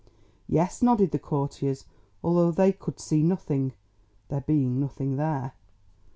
"Yes," nodded the courtiers, although they could see nothing, there being nothing there.